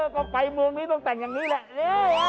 ก็ไปเมืองนี้ต้องแต่งอย่างนี้แหละ